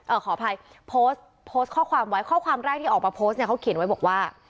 ขออภัยโพสต์โพสต์ข้อความไว้ข้อความแรกที่ออกมาโพสต์เนี่ยเขาเขียนไว้บอกว่า